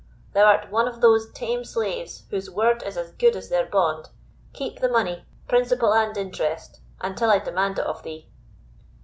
thou art one of those tame slaves whose word is as good as their bond. Keep the money, principal and interest, until I demand it of thee."